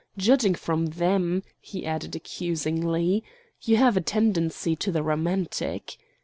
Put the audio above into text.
Judging from them," he added accusingly, "you have a tendency to the romantic."